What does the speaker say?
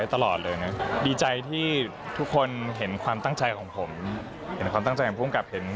ตลอดเลยนะครับโหล